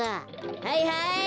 はいはい。